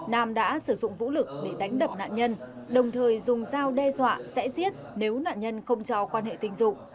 nam đã sử dụng vũ lực để đánh đập nạn nhân đồng thời dùng dao đe dọa sẽ giết nếu nạn nhân không cho quan hệ tình dục